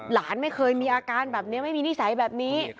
หลานไม่เคยมีอาการแบบนี้ไม่มีนิสัยแบบนี้